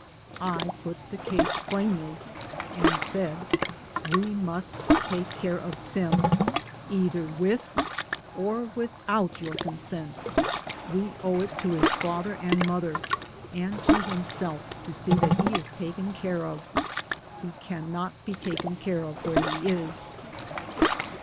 I put the case plainly, and said, "We must take care of Sim, either with or with out your consent; we owe it to his father and mother, and to himself, to see that he is 176 DAYS ON THE ROAD. taken care of. He cannot be taken care of where he is."